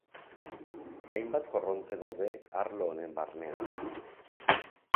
Hainbat korronte daude arlo honen barnean.